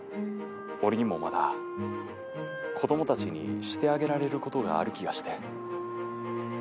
俺にもまだ子どもたちにしてあげられることがある気がして。